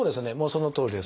そのとおりです。